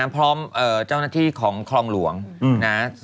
พร้อมเจ้าหน้าที่ของคลองหลวงนะ